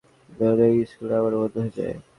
তবে, বোর্ডিং স্কুলে ও আমার বন্ধু হয়ে যায়।